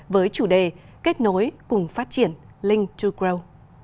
với chủ đề kết nối cùng phát triển link to grow